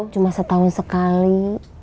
cuma setahun sekali